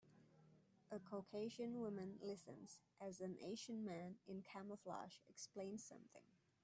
A Caucasian woman listens as an Asian man in camouflage explains something